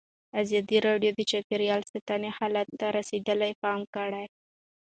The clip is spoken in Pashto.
ازادي راډیو د چاپیریال ساتنه حالت ته رسېدلي پام کړی.